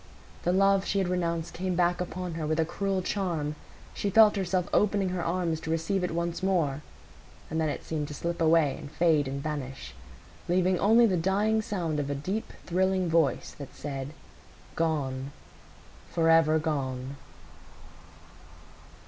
The love she had renounced came back upon her with a cruel charm; she felt herself opening her arms to receive it once more; and then it seemed to slip away and fade and vanish, leaving only the dying sound of a deep, thrilling voice that said, "Gone, forever gone."